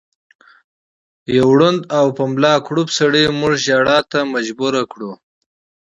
يو ړوند او په ملا کړوپ سړي ړومبی مونږ ژړا ته اړ کړو